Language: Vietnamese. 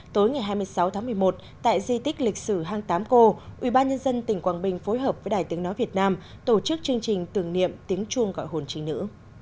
tối ngày hai mươi sáu tháng một mươi một tại di tích lịch sử hang tám cô ubnd tỉnh quảng bình phối hợp với đài tiếng nói việt nam tổ chức chương trình tưởng niệm tiếng chuông gọi hồn trình nữ